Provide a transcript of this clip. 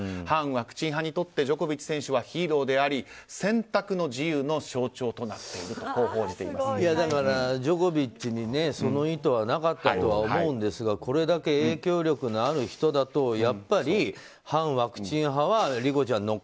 反ワクチン派にとってジョコビッチ選手はヒーローであり選択の自由の象徴となっているとだから、ジョコビッチにその意図はなかったとは思うんですがこれだけ影響力のある人だとやっぱり、反ワクチン派は理子ちゃん